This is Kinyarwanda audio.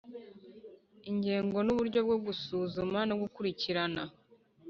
inzego n'uburyo bwo gusuzuma no gukurikirana